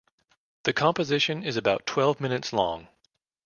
The composition is about twelve minutes long.